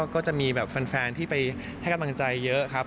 ก็จะมีแบบแฟนที่ไปให้กำลังใจเยอะครับ